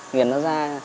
nghiền nó ra